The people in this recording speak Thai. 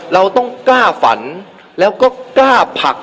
เราต้องกล้าฝันแล้วก็กล้าผัก